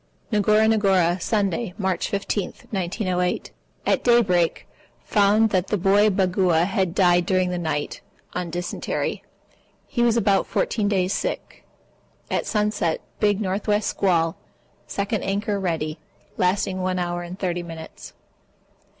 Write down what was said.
Ngora Ngora, Sunday, March 15, 1908. At daybreak found that the boy Bagua had died during the night, on dysentery. He was about 14 days sick. At sunset, big N.W. squall. (Second anchor ready) Lasting one hour and 30 minutes.